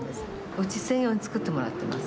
うち専用に作ってもらってます。